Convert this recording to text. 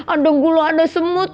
ada gulung ada semut